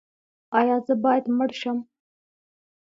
ایا زه باید مړ شم؟